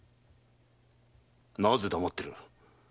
なぜ黙っている。